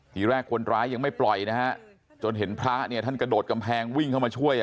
ทีแรกคนร้ายยังไม่ปล่อยนะฮะจนเห็นพระเนี่ยท่านกระโดดกำแพงวิ่งเข้ามาช่วย